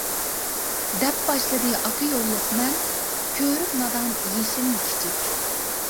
دەپ باشلىدى ئاكا يوللۇق مەن، كۆرۈپ نادان يېشىمنى كىچىك.